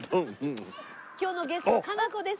今日のゲスト佳菜子です。